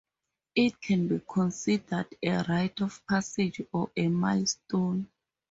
It can be considered a rite of passage or a milestone.